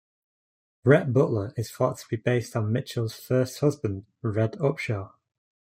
Rhett Butler is thought to be based on Mitchell's first husband, Red Upshaw.